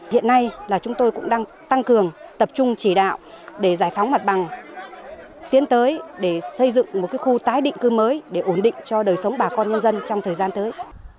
hiện nay là chúng tôi cũng đang tăng cường tập trung chỉ đạo để giải phóng mặt bằng tiến tới để xây dựng một khu tái định cư mới để ổn định cho đời sống bà con nhân dân trong thời gian tới